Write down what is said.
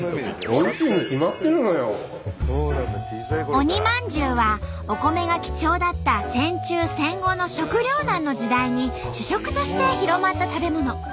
鬼まんじゅうはお米が貴重だった戦中戦後の食糧難の時代に主食として広まった食べ物。